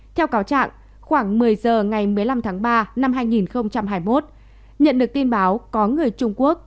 theo cáo trạng khoảng một mươi giờ ngày một mươi năm tháng ba năm hai nghìn hai mươi một nhận được tin báo có người trung quốc